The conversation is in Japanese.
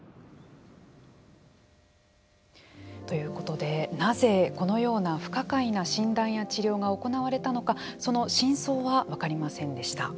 ということでなぜこのような不可解な診断や治療が行われたのかその真相は分かりませんでした。